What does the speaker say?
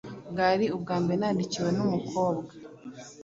Bwari ubwa mbere nandikiwe n'umukobwa